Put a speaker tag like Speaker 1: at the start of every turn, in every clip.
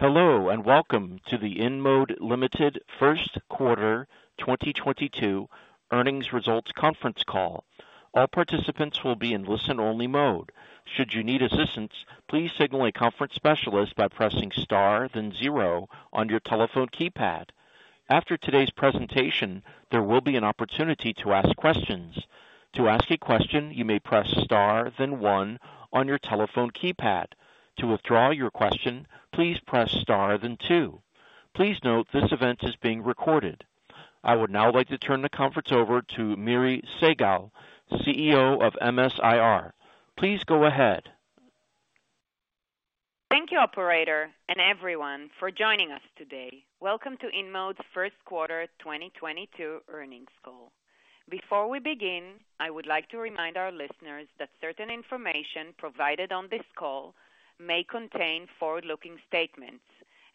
Speaker 1: Hello, and Welcome to the InMode Ltd. First Quarter 2022 Earnings Results Conference Call. All participants will be in listen-only mode. Should you need assistance, please signal a conference specialist by pressing star, then zero on your telephone keypad. After today's presentation, there will be an opportunity to ask questions. To ask a question, you may press star then one on your telephone keypad. To withdraw your question, please press star, then two. Please note this event is being recorded. I would now like to turn the conference over to Miri Segal, CEO of MS-IR. Please go ahead.
Speaker 2: Thank you, operator, and everyone for joining us today. Welcome to InMode's First Quarter 2022 Earnings Call. Before we begin, I would like to remind our listeners that certain information provided on this call may contain forward-looking statements,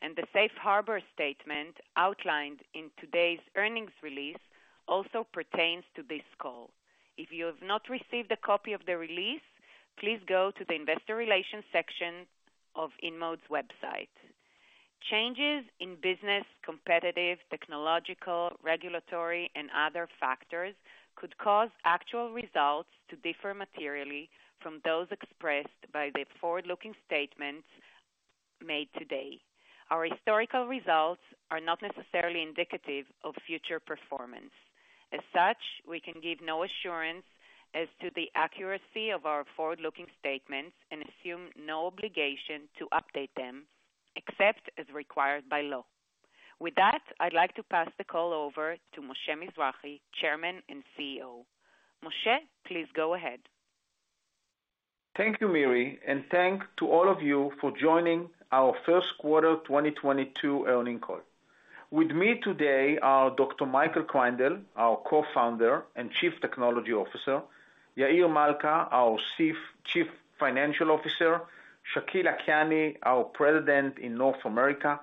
Speaker 2: and the safe harbor statement outlined in today's earnings release also pertains to this call. If you have not received a copy of the release, please go to the investor relations section of InMode's website. Changes in business, competitive, technological, regulatory, and other factors could cause actual results to differ materially from those expressed by the forward-looking statements made today. Our historical results are not necessarily indicative of future performance. As such, we can give no assurance as to the accuracy of our forward-looking statements and assume no obligation to update them, except as required by law. With that, I'd like to pass the call over to Moshe Mizrahy, Chairman and CEO. Moshe, please go ahead.
Speaker 3: Thank you, Miri, and thanks to all of you for joining Our First Quarter 2022 Earnings Call. With me today are Dr. Michael Kreindel, our Co-founder and Chief Technology Officer, Yair Malca, our Chief Financial Officer, Shakil Lakhani, our President in North America,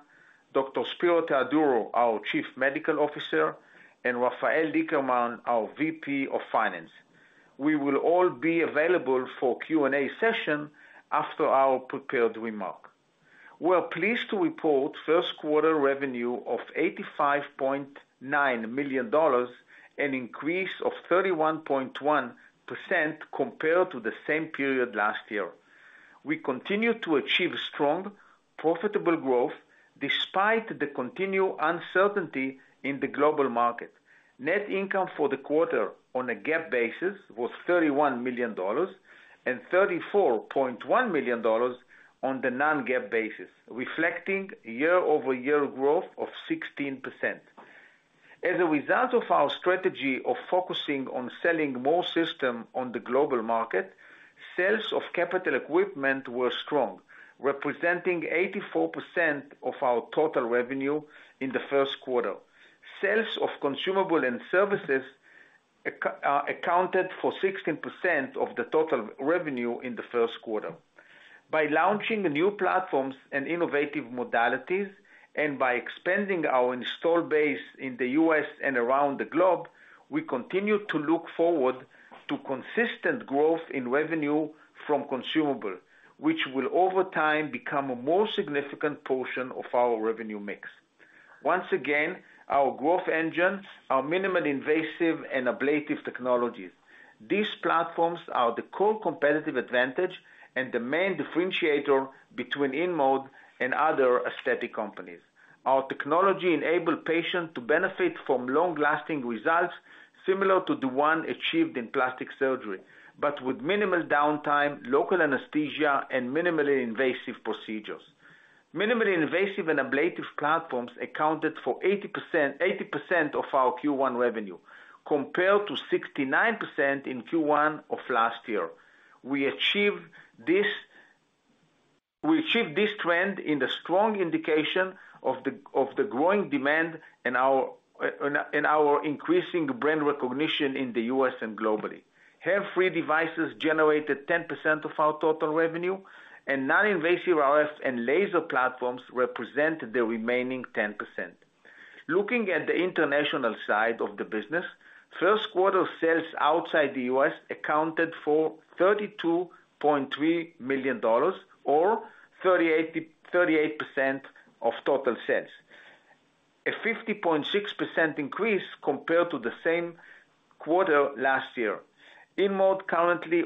Speaker 3: Dr. Spero Theodorou, our Chief Medical Officer, and Rafael Lickerman, our VP of Finance. We will all be available for Q&A session after our prepared remark. We are pleased to report first quarter revenue of $85.9 million, an increase of 31.1% compared to the same period last year. We continue to achieve strong, profitable growth despite the continued uncertainty in the global market. Net income for the quarter on a GAAP basis was $31 million and $34.1 million on the non-GAAP basis, reflecting year-over-year growth of 16%. As a result of our strategy of focusing on selling more systems on the global market, sales of capital equipment were strong, representing 84% of our total revenue in the first quarter. Sales of consumables and services accounted for 16% of the total revenue in the first quarter. By launching new platforms and innovative modalities, and by expanding our installed base in the U.S. and around the globe, we continue to look forward to consistent growth in revenue from consumables, which will over time become a more significant portion of our revenue mix. Once again, our growth engines are minimally invasive and ablative technologies. These platforms are the core competitive advantage and the main differentiator between InMode and other aesthetic companies. Our technology enable patients to benefit from long-lasting results similar to the one achieved in plastic surgery, but with minimal downtime, local anesthesia, and minimally invasive procedures. Minimally invasive and ablative platforms accounted for 80% of our Q1 revenue, compared to 69% in Q1 of last year. We achieved this trend in the strong indication of the growing demand in our increasing brand recognition in the U.S. and globally. Hair-free devices generated 10% of our total revenue, and non-invasive RF and laser platforms represent the remaining 10%. Looking at the international side of the business, first quarter sales outside the U.S. accounted for $32.3 million or 38% of total sales. A 50.6% increase compared to the same quarter last year. InMode currently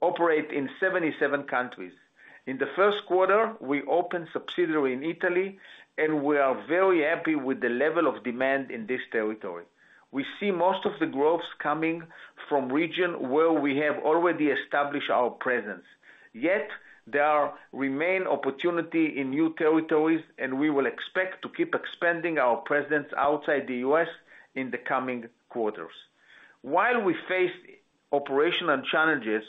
Speaker 3: operate in 77 countries. In the first quarter, we opened subsidiary in Italy, and we are very happy with the level of demand in this territory. We see most of the growth coming from region where we have already established our presence. Yet, there remain opportunity in new territories, and we will expect to keep expanding our presence outside the U.S. in the coming quarters. While we face operational challenges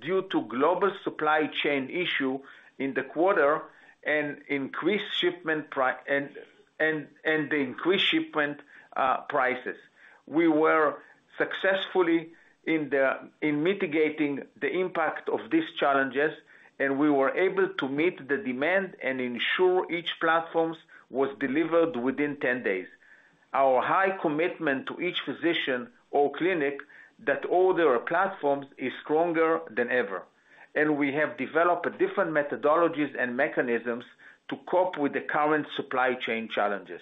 Speaker 3: due to global supply chain issues in the quarter and increased shipment prices, we were successful in mitigating the impact of these challenges, and we were able to meet the demand and ensure each platform was delivered within 10 days. Our high commitment to each physician or clinic that orders our platforms is stronger than ever, and we have developed different methodologies and mechanisms to cope with the current supply chain challenges.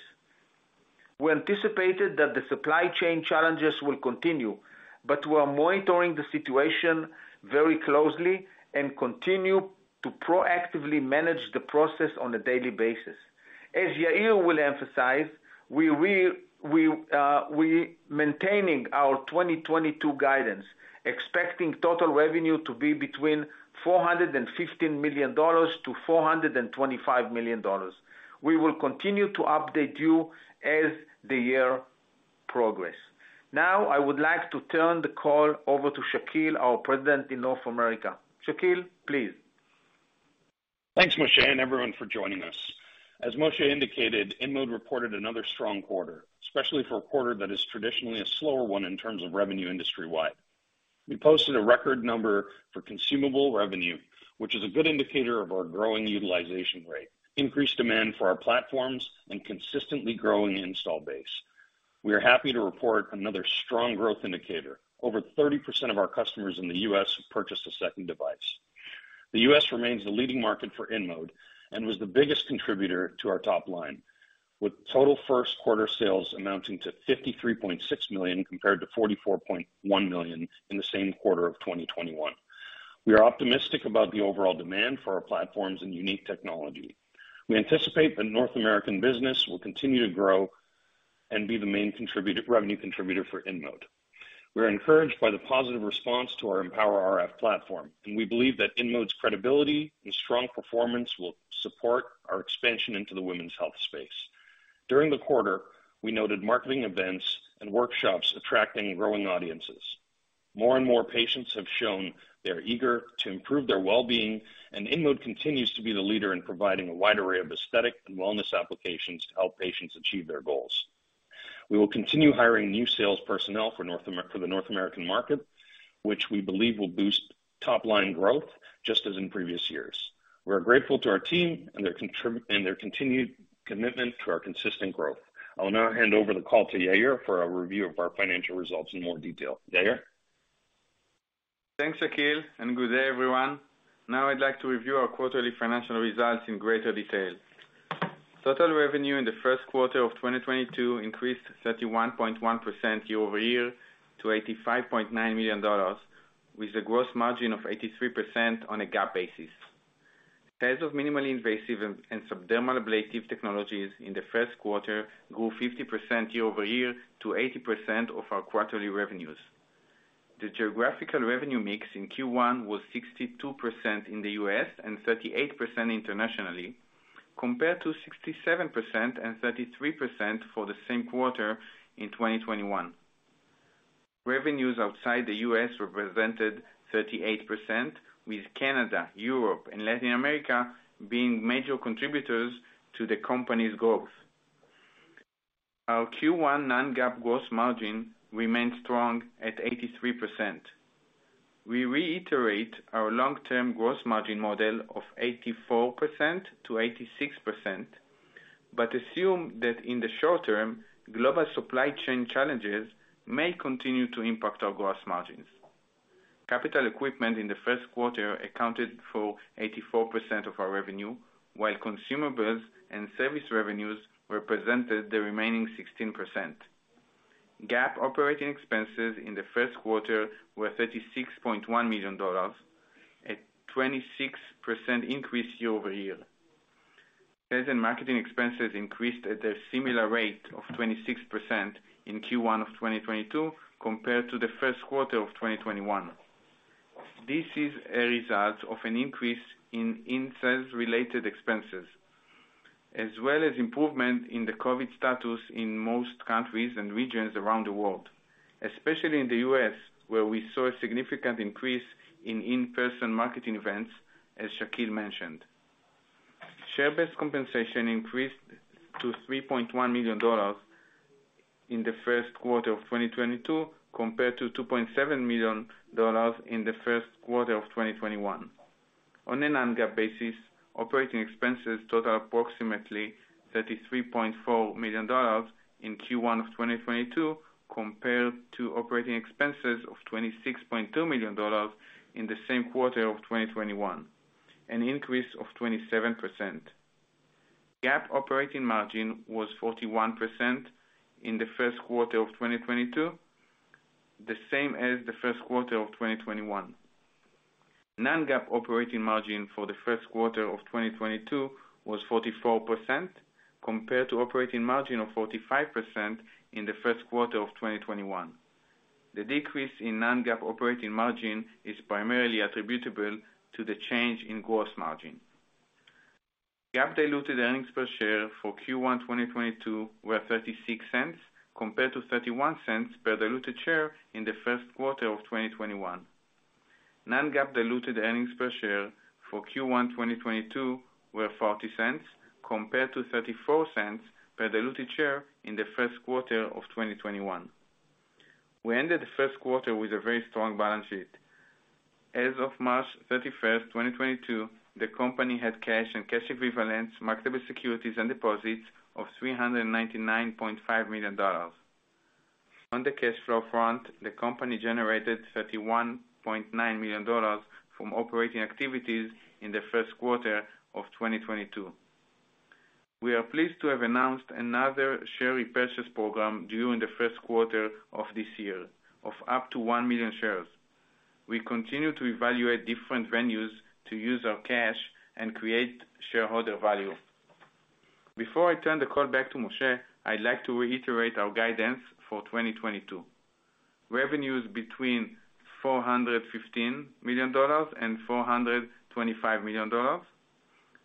Speaker 3: We anticipated that the supply chain challenges will continue, but we are monitoring the situation very closely and continue to proactively manage the process on a daily basis. As Yair will emphasize, we are maintaining our 2022 guidance, expecting total revenue to be between $415 million-$425 million. We will continue to update you as the year progresses. Now, I would like to turn the call over to Shakil, our President in North America. Shakil, please.
Speaker 4: Thanks, Moshe, and everyone for joining us. As Moshe indicated, InMode reported another strong quarter, especially for a quarter that is traditionally a slower one in terms of revenue industry-wide. We posted a record number for consumable revenue, which is a good indicator of our growing utilization rate, increased demand for our platforms, and consistently growing install base. We are happy to report another strong growth indicator. Over 30% of our customers in the U.S. have purchased a second device. The U.S. remains the leading market for InMode, and was the biggest contributor to our top line, with total first quarter sales amounting to $53.6 million compared to $44.1 million in the same quarter of 2021. We are optimistic about the overall demand for our platforms and unique technology. We anticipate the North American business will continue to grow and be the main revenue contributor for InMode. We are encouraged by the positive response to our EmpowerRF platform, and we believe that InMode's credibility and strong performance will support our expansion into the women's health space. During the quarter, we noted marketing events and workshops attracting growing audiences. More and more patients have shown they're eager to improve their well-being, and InMode continues to be the leader in providing a wide array of aesthetic and wellness applications to help patients achieve their goals. We will continue hiring new sales personnel for the North American market, which we believe will boost top-line growth, just as in previous years. We are grateful to our team and their continued commitment to our consistent growth. I will now hand over the call to Yair for a review of our financial results in more detail. Yair?
Speaker 5: Thanks, Shakil, and good day, everyone. Now I'd like to review our quarterly financial results in greater detail. Total revenue in the first quarter of 2022 increased 31.1% year-over-year to $85.9 million, with a gross margin of 83% on a GAAP basis. Sales of minimally invasive and subdermal ablative technologies in the first quarter grew 50% year-over-year to 80% of our quarterly revenues. The geographical revenue mix in Q1 was 62% in the U.S. and 38% internationally, compared to 67% and 33% for the same quarter in 2021. Revenues outside the U.S. represented 38%, with Canada, Europe, and Latin America being major contributors to the company's growth. Our Q1 non-GAAP gross margin remained strong at 83%. We reiterate our long-term gross margin model of 84%-86%, but assume that in the short term, global supply chain challenges may continue to impact our gross margins. Capital equipment in the first quarter accounted for 84% of our revenue, while consumables and service revenues represented the remaining 16%. GAAP operating expenses in the first quarter were $36.1 million, a 26% increase year-over-year. Sales and marketing expenses increased at a similar rate of 26% in Q1 of 2022 compared to the first quarter of 2021. This is a result of an increase in inside sales related expenses, as well as improvement in the COVID status in most countries and regions around the world, especially in the U.S., where we saw a significant increase in in-person marketing events, as Shakil mentioned. Share-based compensation increased to $3.1 million in the first quarter of 2022, compared to $2.7 million in the first quarter of 2021. On a non-GAAP basis, operating expenses totaled approximately $33.4 million in Q1 of 2022 compared to operating expenses of $26.2 million in the same quarter of 2021, an increase of 27%. GAAP operating margin was 41% in the first quarter of 2022, the same as the first quarter of 2021. Non-GAAP operating margin for the first quarter of 2022 was 44% compared to operating margin of 45% in the first quarter of 2021. The decrease in non-GAAP operating margin is primarily attributable to the change in gross margin. GAAP diluted earnings per share for Q1 2022 were $0.36 compared to $0.31 per diluted share in the first quarter of 2021. Non-GAAP diluted earnings per share for Q1 2022 were $0.40 compared to $0.34 per diluted share in the first quarter of 2021. We ended the first quarter with a very strong balance sheet. As of March 31, 2022, the company had cash and cash equivalents, marketable securities and deposits of $399.5 million. On the cash flow front, the company generated $31.9 million from operating activities in the first quarter of 2022. We are pleased to have announced another share repurchase program during the first quarter of this year of up to 1 million shares. We continue to evaluate different venues to use our cash and create shareholder value. Before I turn the call back to Moshe, I'd like to reiterate our guidance for 2022. Revenues between $415 million and $425 million.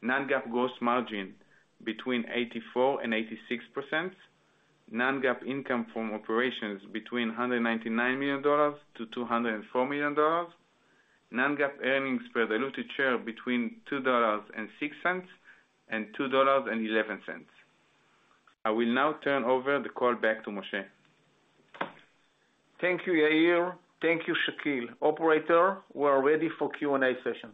Speaker 5: Non-GAAP gross margin between 84% and 86%. Non-GAAP income from operations between $199 million-$204 million. Non-GAAP earnings per diluted share between $2.06 and $2.11. I will now turn over the call back to Moshe.
Speaker 3: Thank you, Yair. Thank you, Shakil. Operator, we are ready for Q&A session.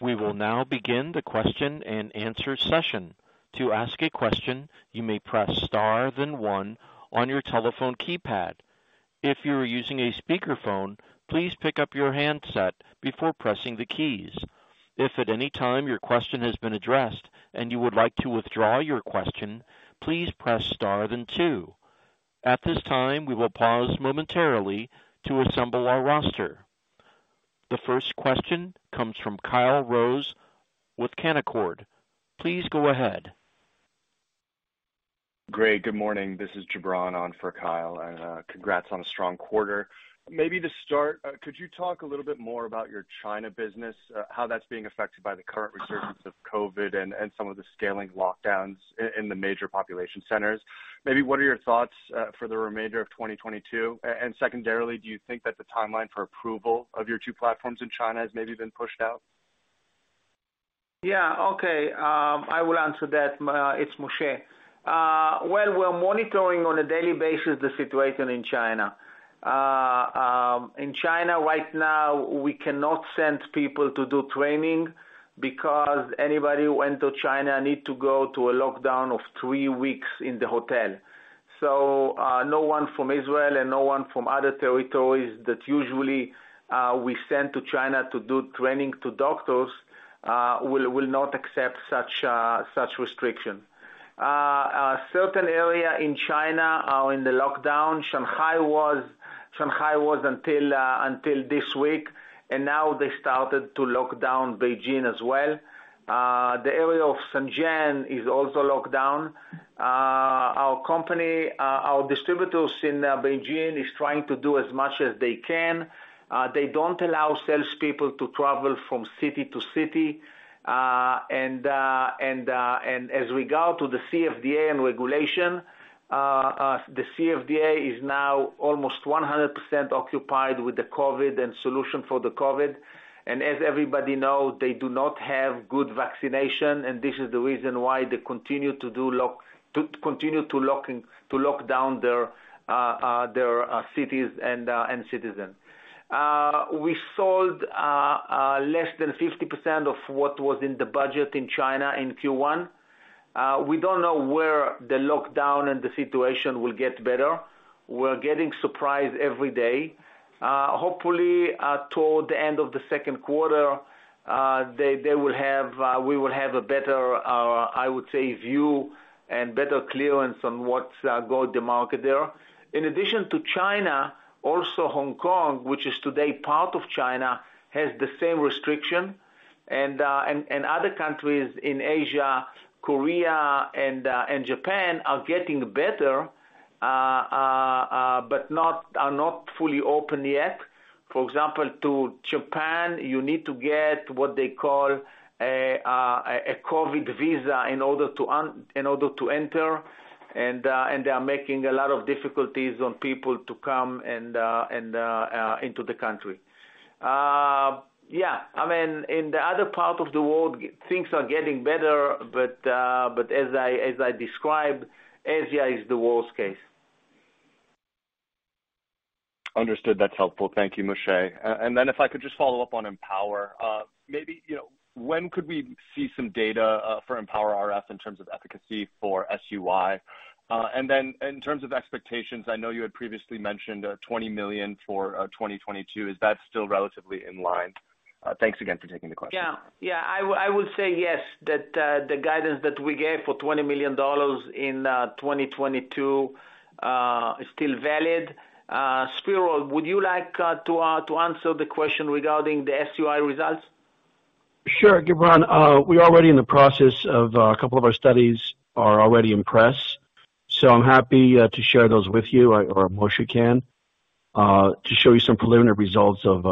Speaker 1: We will now begin the question and answer session. To ask a question, you may press star then one on your telephone keypad. If you are using a speakerphone, please pick up your handset before pressing the keys. If at any time your question has been addressed and you would like to withdraw your question, please press star then two. At this time, we will pause momentarily to assemble our roster. The first question comes from Kyle Rose with Canaccord Genuity. Please go ahead.
Speaker 6: Great. Good morning. This is Gibran on for Kyle, and congrats on a strong quarter. Maybe to start, could you talk a little bit more about your China business, how that's being affected by the current resurgence of COVID and some of the scaling lockdowns in the major population centers? What are your thoughts for the remainder of 2022? Secondarily, do you think that the timeline for approval of your two platforms in China has maybe been pushed out?
Speaker 3: Yeah. Okay. I will answer that. It's Moshe. Well, we're monitoring on a daily basis the situation in China. In China right now, we cannot send people to do training because anybody who went to China need to go to a lockdown of three weeks in the hotel. No one from Israel and no one from other territories that usually we send to China to do training to doctors will not accept such restriction. A certain area in China are in the lockdown. Shanghai was until this week, and now they started to lock down Beijing as well. The area of Shenzhen is also locked down. Our distributors in Beijing is trying to do as much as they can. They don't allow salespeople to travel from city to city. As regard to the CFDA and regulation, the CFDA is now almost 100% occupied with the COVID and solution for the COVID. As everybody know, they do not have good vaccination and this is the reason why they continue to lock down their cities and citizens. We sold less than 50% of what was in the budget in China in Q1. We don't know where the lockdown and the situation will get better. We're getting surprised every day. Hopefully, toward the end of the second quarter, we will have a better, I would say, view and better clearance on what's going to the market there. In addition to China, also Hong Kong, which is today part of China, has the same restriction. Other countries in Asia, Korea and Japan are getting better, but are not fully open yet. For example, to Japan, you need to get what they call a COVID visa in order to enter. They are making a lot of difficulties for people to come into the country. I mean, in the other part of the world, things are getting better, but as I described, Asia is the worst case.
Speaker 6: Understood. That's helpful. Thank you, Moshe. If I could just follow up on EmpowerRF. Maybe, you know, when could we see some data for EmpowerRF in terms of efficacy for SUI? In terms of expectations, I know you had previously mentioned $20 million for 2022. Is that still relatively in line? Thanks again for taking the question.
Speaker 3: Yeah. I would say yes, that the guidance that we gave for $20 million in 2022 is still valid. Spero, would you like to answer the question regarding the SUI results?
Speaker 7: Sure. Gibran, we're already in the process of, a couple of our studies are already in press, so I'm happy to share those with you or Moshe can to show you some preliminary results of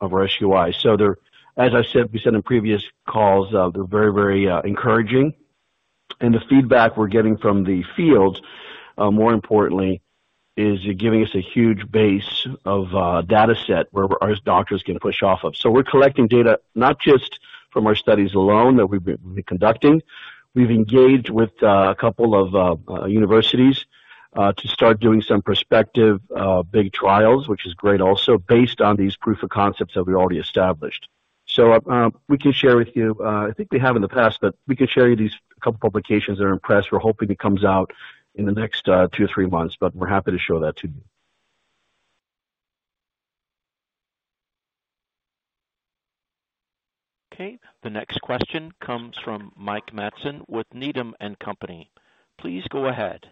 Speaker 7: our SUI. They're. As I said, we said in previous calls, they're very encouraging. The feedback we're getting from the fields, more importantly, is giving us a huge base of data set where our doctors can push off of. We're collecting data not just- From our studies alone that we've been conducting. We've engaged with a couple of universities to start doing some prospective big trials, which is great also based on these proof of concepts that we already established. We can share with you. I think we have in the past, but we can show you these couple publications that are in press. We're hoping it comes out in the next two or three months, but we're happy to show that to you.
Speaker 1: Okay, the next question comes from Mike Matson with Needham & Company. Please go ahead.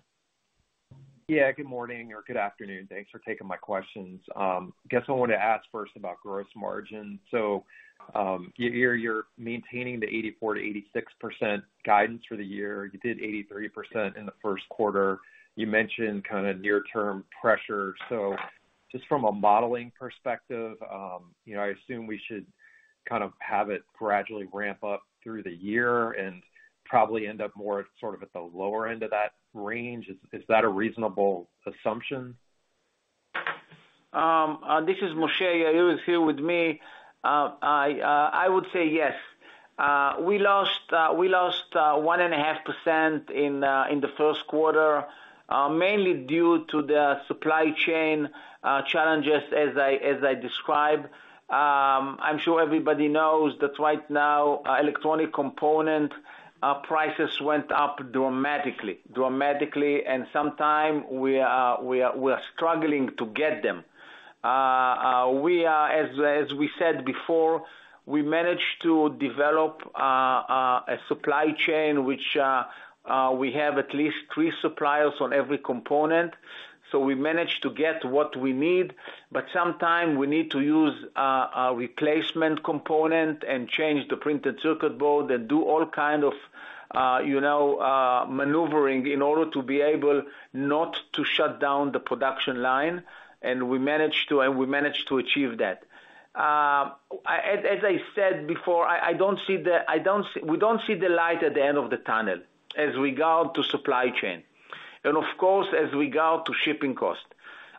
Speaker 8: Yeah, good morning or good afternoon. Thanks for taking my questions. Guess I wanted to ask first about gross margin. You're maintaining the 84%-86% guidance for the year. You did 83% in the first quarter. You mentioned kind of near-term pressure. Just from a modeling perspective, you know, I assume we should kind of have it gradually ramp up through the year and probably end up more sort of at the lower end of that range. Is that a reasonable assumption?
Speaker 3: This is Moshe. Yair is here with me. I would say yes. We lost 1.5% in the first quarter, mainly due to the supply chain challenges as I described. I'm sure everybody knows that right now, electronic component prices went up dramatically, and sometimes we are struggling to get them. We are, as we said before, we managed to develop a supply chain, which we have at least three suppliers on every component. We managed to get what we need, but sometimes we need to use a replacement component and change the printed circuit board and do all kinds of, you know, maneuvering in order to be able not to shut down the production line. We managed to achieve that. As I said before, we don't see the light at the end of the tunnel as regards to supply chain and of course as regards to shipping cost.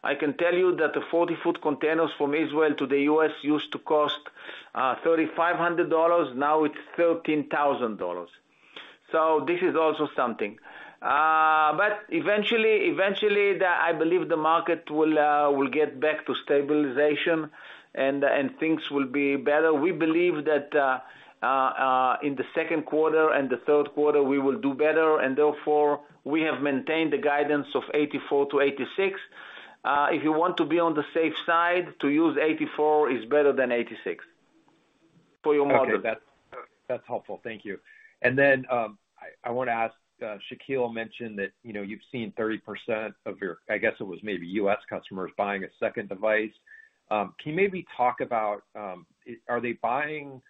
Speaker 3: I can tell you that the 40-foot containers from Israel to the U.S. used to cost $3,500, now it's $13,000. This is also something. Eventually, I believe the market will get back to stabilization and things will be better. We believe that in the second quarter and the third quarter we will do better and therefore we have maintained the guidance of $84-$86. If you want to be on the safe side, to use $84 is better than $86 for your model.
Speaker 8: Okay. That's helpful. Thank you. I wanna ask, Shakil mentioned that, you know, you've seen 30% of your, I guess it was maybe U.S. customers buying a second device. Can you maybe talk about, are they buying, you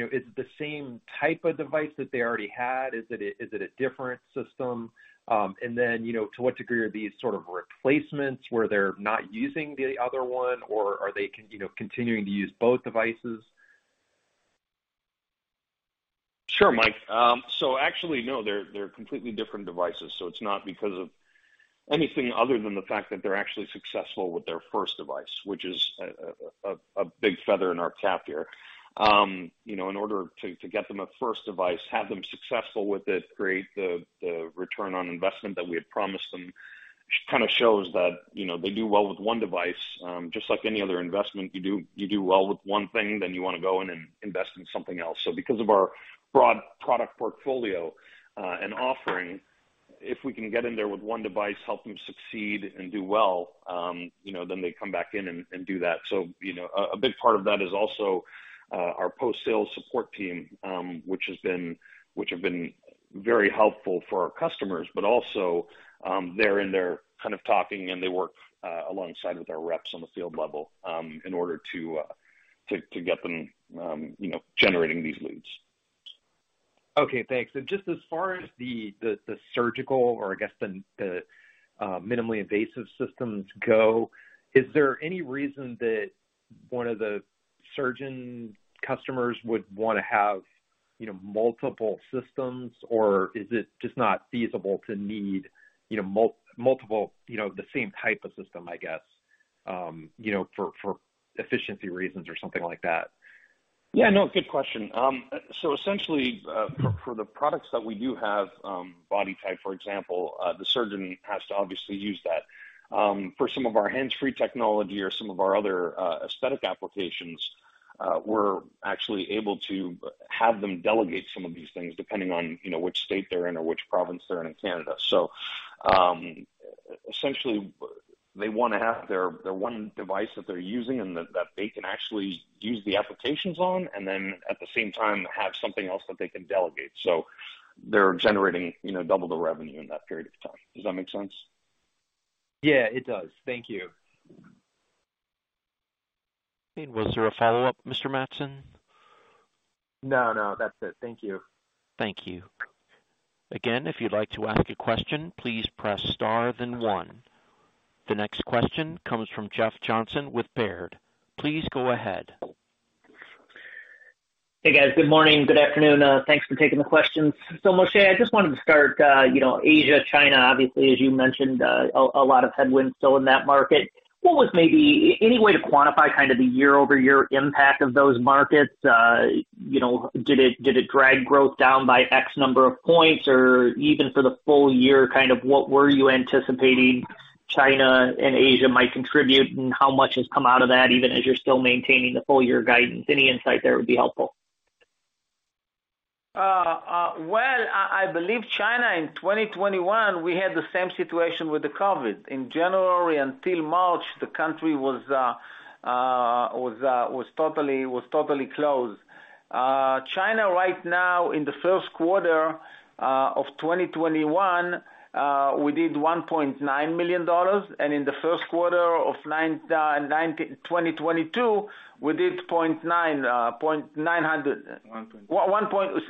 Speaker 8: know, is it the same type of device that they already had? Is it a different system? To what degree are these sort of replacements where they're not using the other one or are they continuing to use both devices?
Speaker 4: Sure, Mike. Actually, no, they're completely different devices, so it's not because of anything other than the fact that they're actually successful with their first device, which is a big feather in our cap here. You know, in order to get them a first device, have them successful with it, create the return on investment that we had promised them, kind of shows that, you know, they do well with one device. Just like any other investment, you do well with one thing, then you wanna go in and invest in something else. Because of our broad product portfolio, and offering, if we can get in there with one device, help them succeed and do well, you know, then they come back in and do that. You know, a big part of that is also our post-sale support team, which have been very helpful for our customers. Also, they're in there kind of talking, and they work alongside with our reps on the field level, in order to get them you know, generating these leads.
Speaker 8: Okay, thanks. Just as far as the surgical or I guess the minimally invasive systems go, is there any reason that one of the surgeon customers would wanna have, you know, multiple systems or is it just not feasible to need, you know, multiple, you know, the same type of system, I guess, you know, for efficiency reasons or something like that?
Speaker 4: Yeah, no, good question. Essentially, for the products that we do have, BodyTite, for example, the surgeon has to obviously use that. For some of our hands-free technology or some of our other aesthetic applications, we're actually able to have them delegate some of these things depending on, you know, which state they're in or which province they're in in Canada. Essentially they wanna have their one device that they're using and that they can actually use the applications on and then at the same time have something else that they can delegate. They're generating, you know, double the revenue in that period of time. Does that make sense?
Speaker 8: Yeah, it does. Thank you.
Speaker 1: Was there a follow-up, Mr. Matson?
Speaker 8: No, no, that's it. Thank you.
Speaker 1: Thank you. Again, if you'd like to ask a question, please press star then one. The next question comes from Jeff Johnson with Baird. Please go ahead.
Speaker 9: Hey guys. Good morning. Good afternoon. Thanks for taking the questions. Moshe, I just wanted to start, you know, Asia, China, obviously, as you mentioned, a lot of headwinds still in that market. What was maybe any way to quantify kind of the year-over-year impact of those markets? You know, did it drag growth down by X number of points? Or even for the full year, kind of what were you anticipating China and Asia might contribute, and how much has come out of that, even as you're still maintaining the full year guidance? Any insight there would be helpful.
Speaker 3: I believe China in 2021, we had the same situation with COVID. In January until March, the country was totally closed. China right now in the first quarter of 2021, we did $1.9 million, and in the first quarter of 2022, we did $0.9 million.
Speaker 5: One point.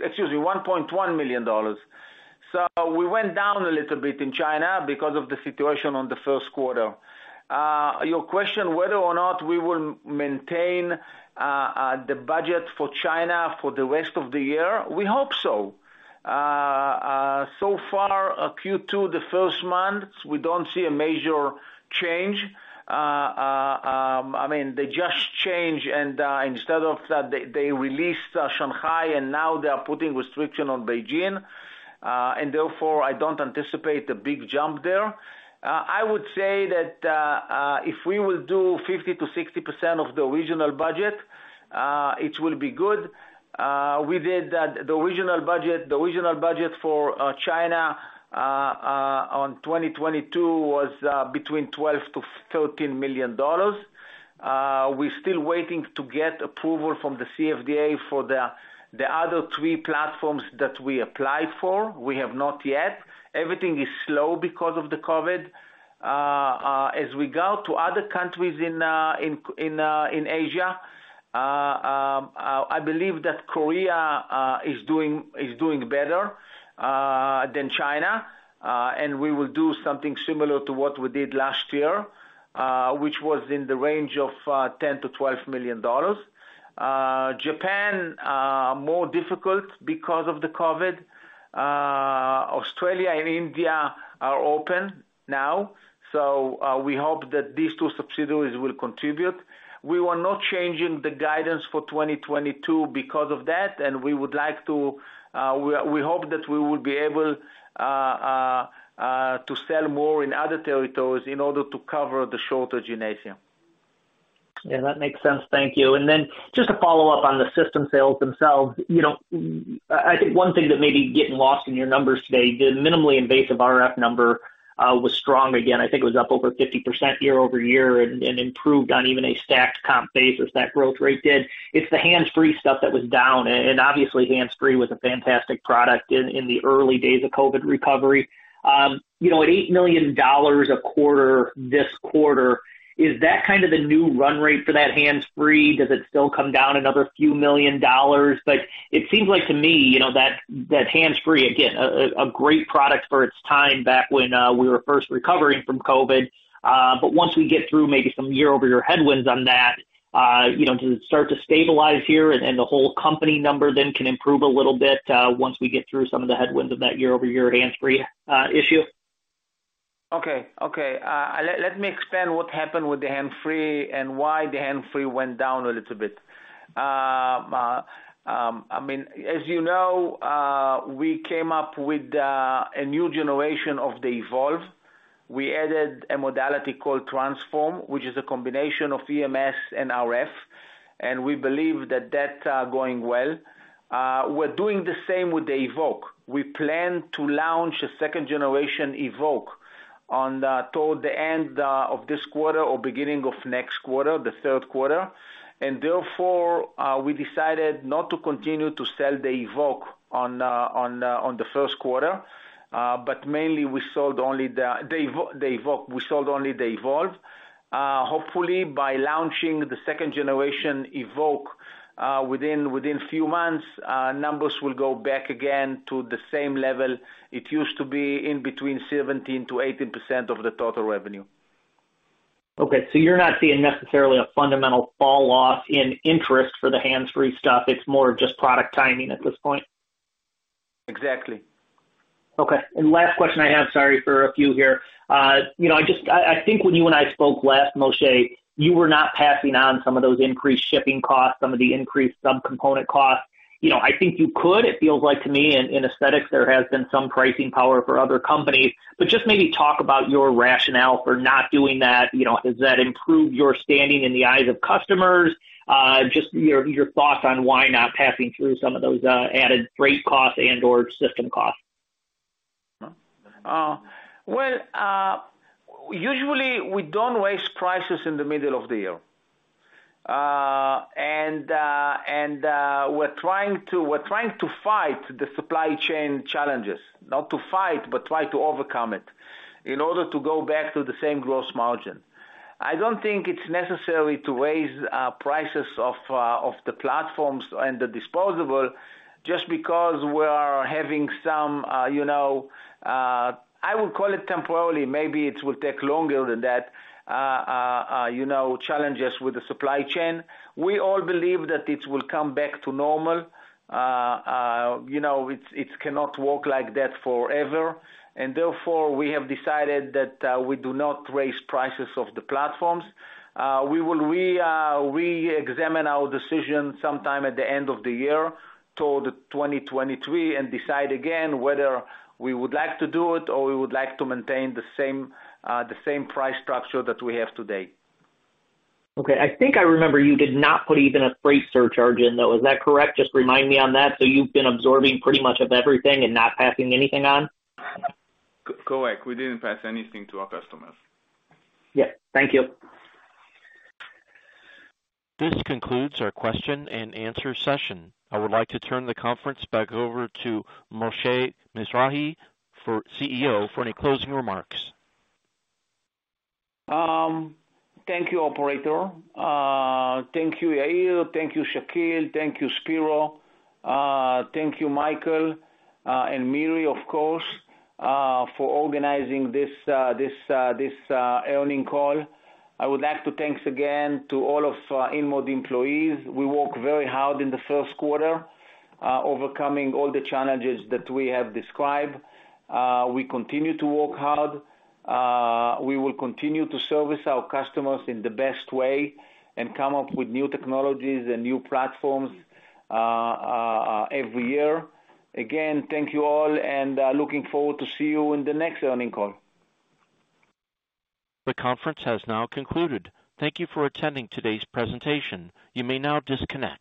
Speaker 3: $1.1 million. We went down a little bit in China because of the situation in the first quarter. Your question whether or not we will maintain the budget for China for the rest of the year, we hope so. So far, Q2, the first month, we don't see a major change. I mean, they just change and instead of that, they released Shanghai, and now they are putting restriction on Beijing. Therefore, I don't anticipate a big jump there. I would say that if we will do 50%-60% of the original budget, it will be good. We did that. The original budget for China in 2022 was between $12 million-$13 million. We're still waiting to get approval from the CFDA for the other three platforms that we applied for. We have not yet. Everything is slow because of the COVID. As we go to other countries in Asia, I believe that Korea is doing better than China. We will do something similar to what we did last year, which was in the range of $10 million-$12 million. Japan more difficult because of the COVID. Australia and India are open now, so we hope that these two subsidiaries will contribute. We were not changing the guidance for 2022 because of that, and we would like to, we hope that we will be able to sell more in other territories in order to cover the shortage in Asia.
Speaker 9: Yeah, that makes sense. Thank you. Then just to follow up on the system sales themselves, you know, I think one thing that may be getting lost in your numbers today, the minimally invasive RF number, was strong again. I think it was up over 50% year-over-year and improved on even a stacked comp basis, that growth rate did. It's the hands-free stuff that was down, and obviously hands-free was a fantastic product in the early days of COVID recovery. You know, at $8 million a quarter this quarter, is that kind of the new run rate for that hands-free? Does it still come down another few million dollar? Like, it seems like to me, you know, that hands-free, again, a great product for its time back when we were first recovering from COVID, but once we get through maybe some year-over-year headwinds on that, you know, does it start to stabilize here and the whole company number then can improve a little bit, once we get through some of the headwinds of that year-over-year hands-free issue?
Speaker 3: Okay. Let me explain what happened with the hands-free and why the hands-free went down a little bit. I mean, as you know, we came up with a new generation of the Evolve. We added a modality called Transform, which is a combination of EMS and RF, and we believe that going well. We're doing the same with the Evoke. We plan to launch a second generation Evoke toward the end of this quarter or beginning of next quarter, the third quarter. Therefore, we decided not to continue to sell the Evoke on the first quarter. But mainly we sold only the Evoke, we sold only the Evolve. Hopefully by launching the second generation Evoke within few months, numbers will go back again to the same level it used to be between 17%-18% of the total revenue.
Speaker 9: Okay. You're not seeing necessarily a fundamental fall-off in interest for the hands-free stuff. It's more of just product timing at this point?
Speaker 3: Exactly.
Speaker 9: Okay. Last question I have, sorry for a few here. You know, I think when you and I spoke last, Moshe, you were not passing on some of those increased shipping costs, some of the increased sub-component costs. You know, I think you could, it feels like to me in aesthetics there has been some pricing power for other companies. Just maybe talk about your rationale for not doing that. You know, does that improve your standing in the eyes of customers? Just your thoughts on why not passing through some of those added freight costs and/or system costs.
Speaker 3: Well, usually we don't raise prices in the middle of the year. We're trying to fight the supply chain challenges. Not to fight, but try to overcome it in order to go back to the same gross margin. I don't think it's necessary to raise prices of the platforms and the disposable just because we are having some, you know, I would call it temporarily, maybe it will take longer than that, you know, challenges with the supply chain. We all believe that it will come back to normal. You know, it cannot work like that forever, and therefore we have decided that we do not raise prices of the platforms. We will re-examine our decision sometime at the end of the year, toward 2023, and decide again whether we would like to do it or we would like to maintain the same price structure that we have today.
Speaker 9: Okay. I think I remember you did not put even a freight surcharge in, though. Is that correct? Just remind me on that. You've been absorbing pretty much of everything and not passing anything on?
Speaker 5: Correct. We didn't pass anything to our customers.
Speaker 9: Yeah. Thank you.
Speaker 1: This concludes our question and answer session. I would like to turn the conference back over to Moshe Mizrahy, our CEO, for any closing remarks.
Speaker 3: Thank you, operator. Thank you, Yair, thank you, Shakil, thank you, Spero, thank you, Michael, and Miri, of course, for organizing this earnings call. I would like to thank again to all of our InMode employees. We work very hard in the first quarter, overcoming all the challenges that we have described. We continue to work hard. We will continue to service our customers in the best way and come up with new technologies and new platforms every year. Again, thank you all, and looking forward to see you in the next earnings call.
Speaker 1: The conference has now concluded. Thank you for attending today's presentation. You may now disconnect.